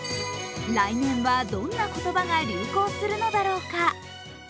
来年はどんな言葉が流行するのだろうか。